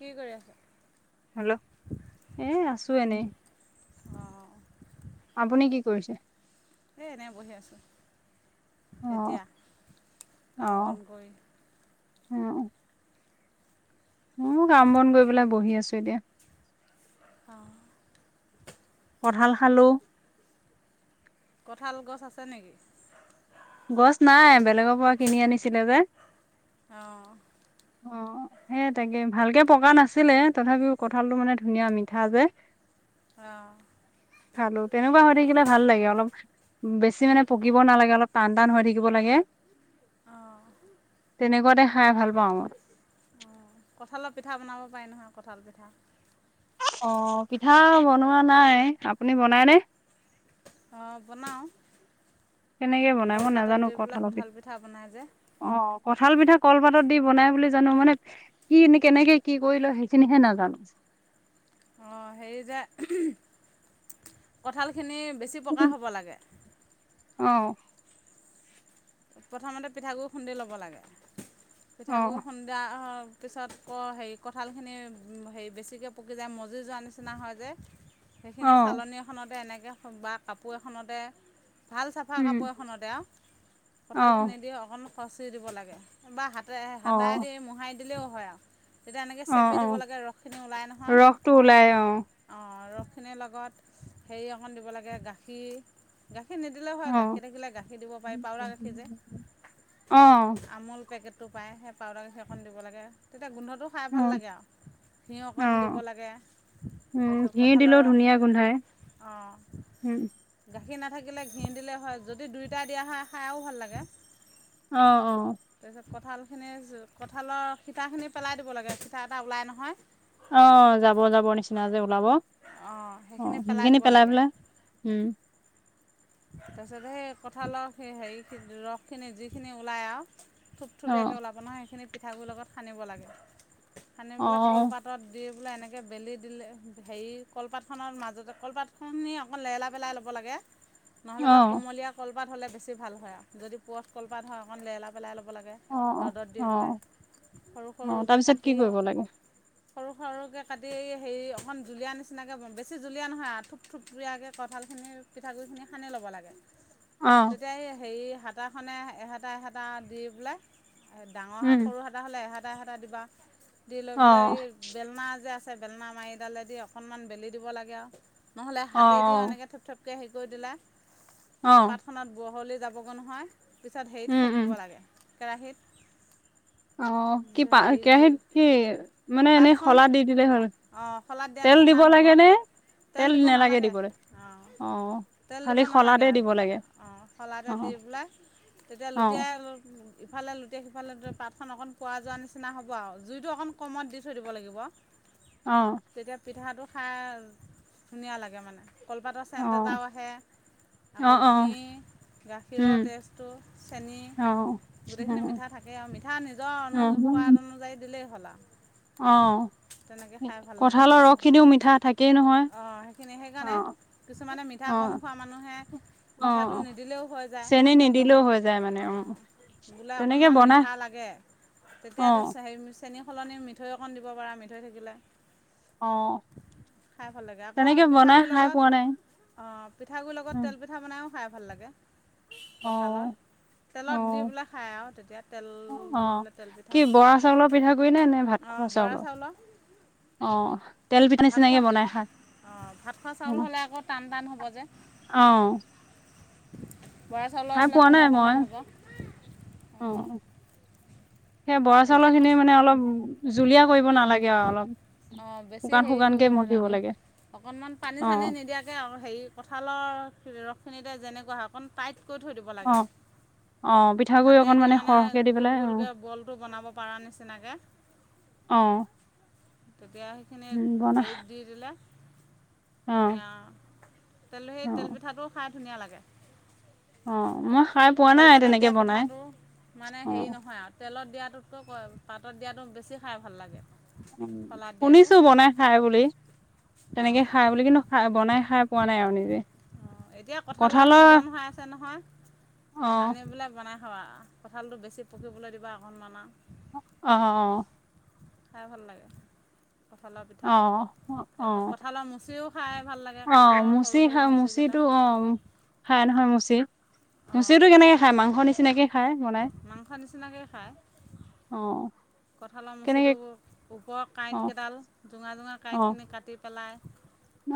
কি কৰি আছা? হেল্ল', এই আছো এনেই, অঁ আপুনি কি কৰিছে? এই এনেই বহি আছোঁ, অ এতিয়া কাম বন কৰি। উম। মোৰো কাম বন কৰি পেলাই বহি আছো এতিয়া। অ' কঁঠাল খালোঁ। কঠাল গছ আছে নেকি? গছ নাই, বেলেগৰ পৰা কিনি আনিছিলে যে। অ' অ' অ', সেই তাকে, ভালকে পকা নাছিলে, তথাপিও কঁঠালটো মানে ধুনীয়া মিঠা যে। অ'। খালোঁ তেনেকুৱা হৈ থাকিলে ভাল লাগে, অলপ বেছি মানে পকিব নালাগে অলপ টান টান হৈ থাকিব লাগে। অ'। তেনেকুৱাতে খাই ভাল পাওঁ মই। কঁঠালৰ পিঠা বনাব পাৰি নহয়, কঁঠাল পিঠা। অ' পিঠা বনোৱা নাই। আপুনি বনাইনে? অ' বনাওঁ, কেনেকে বনাই মই কলপাতত নাজানো দি পেলাই কঁঠালৰ কঁঠাল পিঠা বনাই যে। অ' কঁঠাল পিঠা কলপাতত দি বনাই বুলি জানো মানে কি এ, কেনেকে কি কৰি লয় সেইখিনিহে নাজানো। অ' হেৰি যে কঁঠালখিনি বেছি পকা হ'ব লাগে। অ'। প্ৰথমতে পিঠাগুৰি খুন্দি ল'ব লাগে, পিঠাগুৰি অ', খুন্দ [unintelligible] পিছত ক হেৰি কঁঠালখিনি হেৰি বেছিকে পকি যায়, মজি যোৱাৰ নিচিনা হয় যে। সেইখিনি অ', চালনী এখনতে এনেকে বা কাপোৰ এখনতে, ভাল চাফা উম, কাপোৰ খনতে [unintelligible] অ', কঁঠালখিনি দি অকণ খচি দিব লাগে বা হাতে হাতাই অ', দি মোহাই দিলেও হয় আৰু। তেতিয়া এনেকে অ', চেপি দিব অ', লাগে ৰসখিনি ওলাই নহয় ৰসটো ওলাই অ', অ' ৰসখিনিৰ লগত হেৰি অকণ দিব লাগে গাখীৰ। গাখীৰ নিদিলেও হয়, অ'। গাখীৰ থাকিলে গাখি দিব পাৰি, পাউডাৰ অ', আমোল পেকেট টো পায় সেই পাউডাৰ গাখিৰ অকণ দিব লাগে তেতিয়া গোন্ধটো খাই ভাল অ', লাগে আৰু। ঘিউ অকণ দিব অ', লাগে। উম, তাৰপিছত ঘি দিলেও কঁঠালৰ ধুনীয়া ৰসখিনি, গোন্ধাই উম, অ'। গাখীৰ নাথাকিলে ঘি দিলে হয় যদি দুয়োটা দিয়া হয় খাই আও ভাল লাগে। অ', অ'। তাৰপিছত কঁঠালখিনি কঁঠালৰ সিঠাখিনি পেলাই দিব লাগে, সিঠা এটা ওলাই নহয়। অ' যাব যাব নিচিনা যে ওলাব, অঁ অ' সেইখিনি দিব পেলাই লাগে পেলাই, উম। তাৰপিছত সেই কঠালক হেৰি ৰসখিনি যিখিনি ওলায় আৰু। থুপথুপীয়াকে অ', ওলাব নহয় সেইখিনি পিঠাগুৰিৰ লগত সানিব লাগে, সানি পেলাই অ', কলপাত পাতত দি পেলাই এনেকে বেলি দিলে, হেৰি কলপাতখনৰ মাজতে কলপাতখনি অকণ লেইলা পেলাই ল'ব লাগে। নহ'লে বা অ', কুমলীয়া কলপাত হ'লে বেছি ভাল হয় আৰু যদি পূৰথ কলপাত হয় অকণ লেৰেলা পেলাই ল'ব লাগে। অ', ৰ'দত দি পেলাই, অ', সৰু অ', সৰুকে তাৰপিছত কি কাটি। কৰিব লাগে? সৰু সৰুকে কাটি হেৰি অকমান জুলীয়া নিচিনাকে, বেছি জুলীয়া নহয় আৰু, থোপথুপীয়াকে কঁঠালখিনিৰ পিঠাগুড়িখিনি সানি ল'ব লাগে। অ'। তাতে হেৰি হাতাখনে এহাটা এহঅটা দি পেলাই ডাঙৰ হা, উম, সৰু হা এটা হ'লে এহাটা এহাটা দিবা, দি লৈ অ'। পেলাই এ বেলনা যে আছে বেলনা মাৰিডালেদি অকণমান বেলি দিব লাগে আৰু। নহ'লে অ', হাতে দিওঁ অ', এনেকে থপথপকে হেৰি কৰি দিলা। অ', কলপাতখনত বহলি যাবগৈ নহয়, পিছত হেৰিত উম, উম, সেকিব লাগে। কেৰাহিত। অ' কি পা, কেৰাহীত কি মানে এনেই শলাত দি দিলে হ'ল। অ' শলাদ দিয়া তেল নিচিনা দিব হ'ব। লাগে নে? তেল দিব নেলাগে নালাগে, দিবলৈ? অ'। তেল দিব খালি নালাগে শলাতে আৰ, দিব লাগে। অ' শলাতে দি অ', পেলাই তেতিয়া অ', লুটিয়াই ইফালে লুটিয়াই সিফালে পাতখন অকণ পোৱা যোৱাৰ নিচিনা হ'ব আৰু জুইটো অকণ কমত দি থৈ দিব লাগিব। হয়। অ। তেতিয়া পিঠাটো খাই ধুনীয়া লাগে মানে কলপাতৰ চেণ্ট অ', এটাও আহে। আকৌ অ', অ', ঘিড, উম, গাখীৰৰ টেষ্টটোজ, চেনি। অ', গোটেইখিনি মিঠা থাকেই আৰু মিঠা নিজৰ অনু অ', সোৱাদ অনুযায়ী দিলেই হ'ল আ অ। তেনেকে খাই ভাল লাগে কঁঠালৰ মানে ৰসখিনিও মিঠা থাকেই নহয়। অঁ সেইখিনি সেইকাৰণে অ', কিছুমানে মিঠা কম অ', খোৱা।, মানুহে মিঠাটো অ', নিদিলেও হৈ যায় চেনি নিদিলেও হৈ যায় মানে উম, অঁ। বোলে তেনেকে অকণমান বনাই মিঠা লাগে অ', তেতিয়া টে। হেৰি চেনি সলনি মিঠৈ অকণ দিব পাৰা মিঠৈ থাকিলে। অ', খাই ভাল লাগে আকৌ তেনেকে বনাই পিঠাগুড়িৰ খাই লগত। পোৱা নাই। পিঠাগুৰিৰ লগত উম তেল পিঠা বনাইয়ো খাই ভাল লাগে কঠালৰ। অ', তেলত দি অ'। পেলাই খায় আৰু তেতিয়া তেল অ দি পেলাই তেল পিঠা। কি বৰা চাউলৰ পিঠাগুৰি নে নে ভাত অঁ খোৱা চাউলৰ বৰাচাউলৰ। অ তেল পিঠা ভাত খোৱা নিচিনাকে বনাই খাই অ ভাত খোৱা চাউল হ'লে আকৌ টান টান হ'ব যে। অ। বৰা চাউলৰ খাই হ'লে পোৱা নাই কোমল মই কোমল হ'ব। অ। সেয়ে বৰা এতিয়া চাউলৰ খিনিমানে অলপ জুলীয়া কৰিব ক নালাগে আৰু অলপ। অঁ বেছি শুকান হেৰি শুকানকে কৰিব মঠিব নালাগে লাগে অকণমান পানী অ চানী নিদিয়াকে। তাকে হেৰি কঁঠালৰ ৰসখিনিতে যেনেকুৱা হয় অকণমান টাইট্ তকৈ থৈ দিব অ লাগে অ পিঠাগুৰি অকণ হাতেদিয়ে মানে সৰহকে দি গুল পেলাই অ গুলকে। বনাব পাৰা নিচিনাকে অ তেতিয়া। খিনি উম বনা হেৰিত দি জুইত দিলা। অ ধুনীয়া তেল সেই অ তেলপিঠাটোও খাই ধুনীয়া লাগে। অ মই খাই পোৱা নাই কলপাতত তেনেকে দিয়া বনাই পিঠাটো মানে অ হেৰি নহয় আ। তেলত দিয়াটোতকৈ কয় পাতত দিয়াটো বেছি খাই ভাল লাগে। শলাত দিয়াটো শুনিছো বনাই খাই বুলি। অঁ তেনেকে খাই বুলি কিন্তু খাই বনাই খাই পোৱা নাই আৰু নিজেই। অঁ এতিয়া কঁঠালৰ ছিজন হৈ আছে নহয় অ আনি বোলে বনাইৱ্য। ছ্শ কঁঠালটো বেছি পকিবলৈ দিবা অকণমান আ। অ অ। খাই ভাল লাগে কঠালৰ অ পিঠা অ অ আকৌ কঠালৰ মুচিও খাই ভাল লাগে। অ কঁঠালৰ সৰু মুচি সৰু হা মুচিকেইটা মুচিটো অ। খাই নহয় মুচি মুচিটো কেনেকে খায় মাংসৰ নিচিনাকে। খাই বনাই মাংসৰ নিচিনাকে খায়। অ। কঁঠালৰ মুচিটো কেনেকে ওপৰৰ অ কাঁইট কেইডাল জোঙা জোঙা অ কাঁইটখিনি কাটি। পেলাই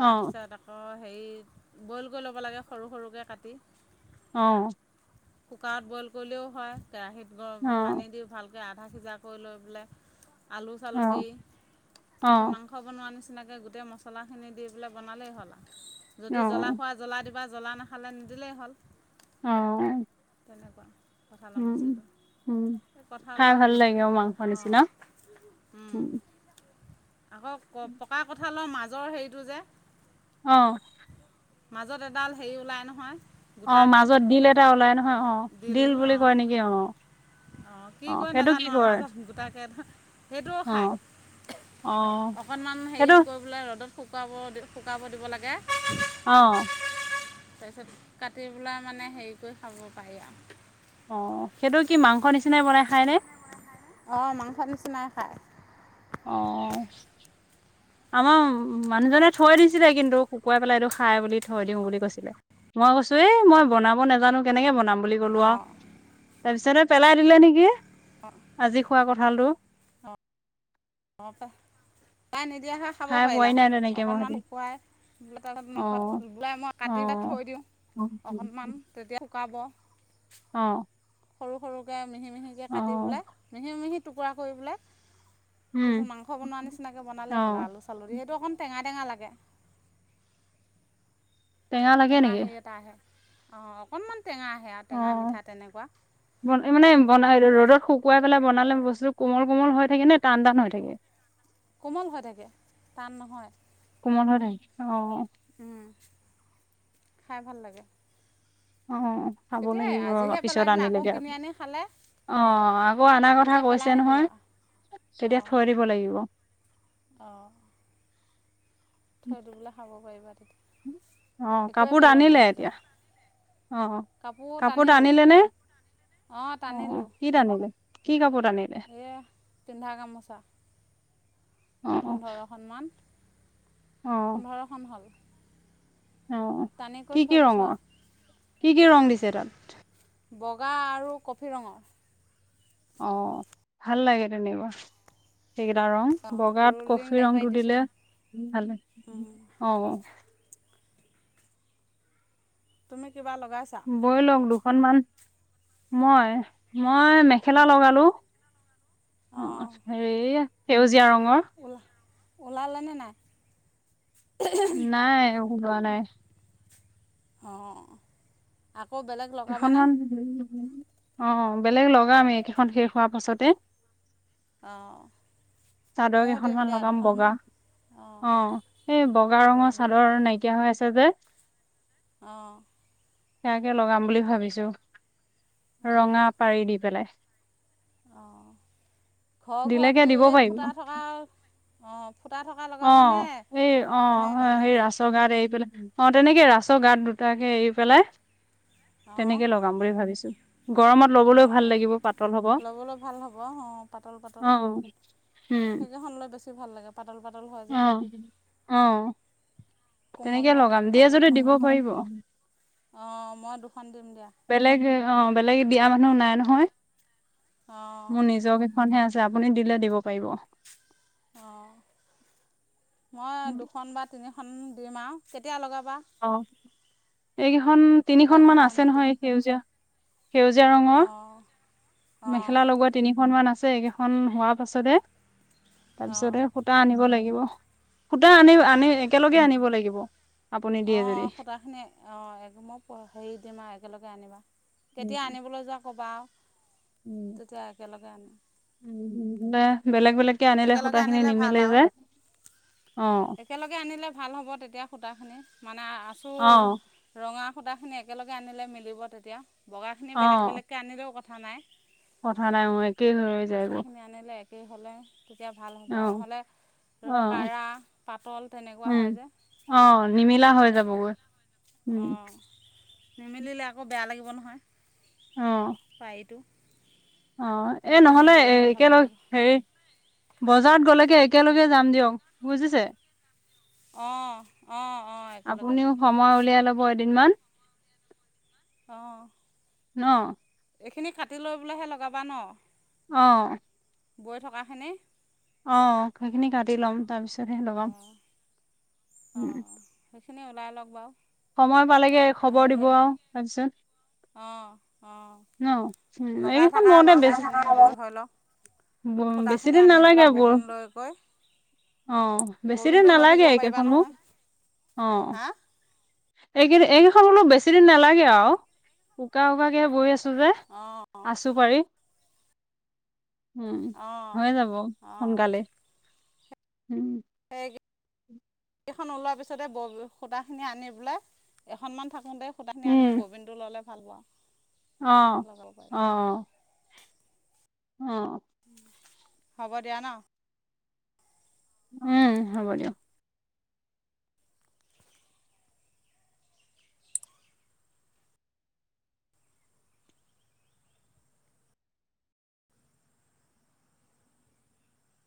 অ আ। অ হেৰি বইল কৰি ল'ব লাগে সৰু সৰুকৈ কাটি। অ। কুকাৰত বইল কৰিলেও হয় কেৰাহীত গৰ অ অ পানী দি ভাল। তে আধা খিজাকৈ লৈ পেলে আলু চালু দি অ তাৰপিছত। মাংস বনোৱাৰ নিচিনাকৈ গোটেই মছলাখিনি দি পেলাই বনালে হ'ল আৰু অ যদি জলা হয়। জ্বলা দিবা জ্বলা নাখালে নিদিলেই হ'ল। অঁ। তেনেকুৱা কঁঠালৰ মচিটো। উম তাতকে খাই কঁঠালৰ ভাল লাগে গোটেই অ মাংস নিচিনা অঁ উম।। আকৌ প পকা কঁঠালৰ মাজৰ হেৰিটো যে, অঁ। মাজত এডাল হেৰি ওলায় নহয়। অঁ গোটাকে মাজত ডিল এটা ওলাই নহয় অঁ দিল ডিল বুলি অঁ কয় নেকি অঁ। অঁ কি কৰি নাজানো আও মাজত গোটাকে সেইটোয়ো অ খায়। অ অকণমান হেৰি সেইটো কৰিবলৈ ৰ'দত শুকাব শুকাব দিব লাগে। অঁ। তাৰপিছত কাটি পেলাই মানে হেৰি কৰি খাব পাৰি আও। অঁ সেইটো কি মাংস নিচিনাই বনাই খাই নে? অঁ মাংস নিচিনাই খাই। অঁ। আমাৰ মানুহজনে থৈ দিছিলে, কিন্তু শুকুৱাই পেলাই এইটো খাই বুলি থৈ দিওঁ বুলি কৈছিলে। মই কৈছো এ মই বনাব নাজানো কেনেকে বনাম বুলি কলো আও, অঁ তাৰ পিছত পেলাই দিলে নেকি। অঁ। আজি খোৱা কঁঠালটো। অঁ [inaudible] খাব খাই পোৱাই পাৰিলা নাই হয়, তেনেকে মই সেতি অকণমান শুকুৱাই অ মাংসত বোৱাই মই অ কাটি বা থৈ দিওঁ। [inaudible] অমান তেতিয়া শুকাব। অঁ। সৰু সৰুকে মিহি মিহিকে কাটি পেলাই মিহি মিহি টুকুৰা কৰি পেলাই। তাৰপিছত উম মাংস বনোৱা নিচিনাকৈ অ বনাল হ'ল, আল চউৰি সেইটো অকণ টেঙা টেঙা লাগে। লাগে টেঙা নেকি হেৰি এটা আহে, অঁ অকণমান টেঙা আহে আৰু টেঙা মিঠা তেনেকুৱা। ব মানে বনাই ৰ'দত শুকুৱাই পেলাই বনালে বস্তু কোমল কোমল হৈ থাকে নে টান টান হৈ থাকে। কোমল হৈ থাকে, টান নহয়। কোমল হৈ থাকে অ উম, খাই ভাল লাগে। অঁ, চাব তেতিয়া লাগিব আজিহে পেলাই পিছত দিলে আকৌ আনিলেগে। কিনি আনি খালে অঁ আকৌ অনা কথা তেতিয়া পেলাই কৈছে নহয়, নিদিবা তেতিয়া অঁ থৈ দিব লাগিব। অঁ। থৈ দি পেলাই খাব দিব পাৰিবা, অ', তেতিয়া একোৱেই কাপোৰ পেলনি টানিলে এতিয়া অ', নাযায়। কাপোৰ টানিলোঁ। টানিলে নে? অঁ অ', টানিলোঁ, কি টানিলে? কি কাপোৰ টানিলে? এই পিন্ধা গামোচা। অ', অ', পোন্ধৰখন মান, পোন্ধৰখন হ'ল। অঁ টানি কৰি কি থৈ কি দিছোঁ ৰঙৰ, আৰু কি কি ৰং দিছে তাত? বগা আৰু কফি ৰঙৰ। অ, ভাল লাগে তেনেকুৱা। সেইকেইটা ৰং অঁ বগাত ৰুলিং কফি পাৰি পাৰি ৰংটো দিছোঁ দিলে, ভালে অঁ। তুমি কিবা লগাইছা? বৈ লওক দুখনমানান মই মই মে খেলা অঁ লগালোঁ, অঁ হেৰি সেউজীয়া ৰঙৰ। অ'লা অ'লা লেনে নাই। নাই ওলোৱা নাই। অঁ আকৌ বেলেগ- লগাবানে কেইখনমান অ বেলেগ লগামেই কেইখন শেষ হোৱাৰ পাছতে। অঁ! চাদৰ ময়ো দিম কেইখনমান দিয়া লগাম বগা। দুখনমান অঁ এই বগা তাতে ৰঙৰ দুখ চাদৰ নাইকিয়া হৈ আছে যে। অঁ। তাকে লগাম বুলি ভাবিছোঁ অঁ ৰঙা পাৰি দি পেলাই। অঁ ঘৰ ঘৰ দিলেকে দি দিব এই পাৰিব ফুটা থকা অ ফুটা থকা‌। অঁ সেই অঁ সেই হেৰি ৰাচ গাট এৰি পেলাই- অ তেনেকে ৰাছৰ গাত দুটাকে এৰি পেলাই- [unintelligible] অঁ তেনেকে লগাম বুলি ভাবিছো গৰমত লবলৈ ভাল অঁ লাগিব পাতল হব ল'বলৈ ভাল হ'ব অঁ- পাতল পাতল অ উম সেইকেইখন লৈ বেছি ভাল লাগে পাতল পাতল হয় যে- অঁ কোমল তেনেকে হয় লগাম দিয়ে যদি দিব কাপোৰকেইখনো পাৰিব। অঁ মই দুখন দিম দিয়া। বেলেগ অ বেলেগে দিয়া মানুহ নাই নহয় অঁ মোৰ নিজকে- খনহে আছে আপুনি দিলে দিব পাৰিব। অঁ মই দুখন বা তিনিখন দিম আৰু কেতিয়া লগাবা? অঁ! এইকেইখন তিনিখনমান সূতাখিনি আছে আনি দিম নহয় সেউজীয়া সেউজীয়া ৰঙৰ- অঁ অঁ মেখেলা লগোৱাত- তিনিখনমান আছে এইকেইখন হোৱাৰ পাছতে অঁ তাৰপিছতেহে সূতা আনিব লাগিব। সূতা আনি অঁ আনি একেলগে আনিব লাগিব। আপুনি দিয়ে যদি অঁ সূতাখিনি- অঁ মই হেৰি দিম আৰু একেলগে আনিবা কেতিয়া উম আনিবলৈ যোৱা ক'বা। উম তেতিয়া একেলগে আনিম। বেলেগ বেলেগকে আনিলে সূতা একেলগে খিনি আনিলে ভাল নিমিলে আৰু যে অ- একেলগে আনিলে ভাল হ'ব তেতিয়া সূতাখিনি মানে অ আছোঁৰ- ৰঙা সূতাখিনি একেলগে আনিলে মিলিব তেতিয়া, বগাখিনি অ বেলেগ বেলেগকৈ আনিলেও কথা নাই। কথা নাই মোৰ একেই হৈ হৈ যায় এইবোৰ - আঁচুখিনি আনিলে একেই হ'লে- তেতিয়া ভাল হ'ব আৰু নহ'লে ধৰ অ কৰা পাতল তেনেকুৱা হয় যে- অঁ নিমিলা হৈ ভাল নহয় যাবগৈ উমঁ- অঁ নিমিলিলে আকৌ বেয়া লাগিব নহয় পাৰিটো। অঁ এ পাৰিটো নহলে এ মিলিলেহে ভাল একেলগ লাগিব হেৰি- বজাৰত গলেকে একেলগে যাম দিয়ক বুজিছে- অঁ অঁ অঁ - আপুনিও সময় উলিয়াই লব এদিনমান। অঁ- নহ- এইখিনি কাটি লৈ পেলাইহে লগাবা ন? অঁ! বৈ থকাখিনি- অ সেইখিনি কাটি ল'ম তাৰপিছতহে লগাম। অঁ উম অঁ সেইখিনি ওলাই লওক বাও। সময় পালেগে খবৰ দিব আৰু তাৰপিছত অঁ অঁ ন? উম লগাই থাকা এইকেইখন বনতে বাৰু বে সেইখিনি বৈ হৈ লওক ব বেছি সূতাখিনি দিন আনি নালাগে পেলাই বোৰ ববিন লৈ গৈ অ বেছিদিন ববিনটো লৈ নালাগে থাকিব পাৰিবা এইকেইখনো, নহয় অ। হা এইকেই এইকেইখন বলো বেছি দিন নালাগে আৰু উকা উকাকে বৈ আছো তুজে অঁ আছো পাৰি। উম অঁ হৈ যাব অঁ সোনকালে। উম। [inaudible] এইখন ওলোৱা পিছতে বৰ সুতা খিনি আনি পেলায় এখনমান থাকোতে। সূটাখিনি আনি ববিনটো ল'লে ভাল বাওঁ। অহ অহ অ। হ'ব দিয়া ন। উম হ'ব দিয়ক।